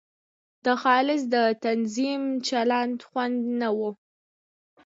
د خالص د تنظیم چندان خوند نه وو.